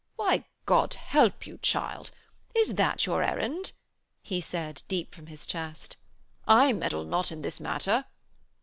'Why, God help you, child! Is that your errand?' he said, deep from his chest. 'I meddle not in this matter.'